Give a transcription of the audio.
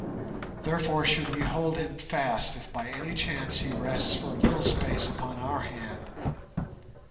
Therefore should we hold him fast if by any chance he rests for a little space upon our hand.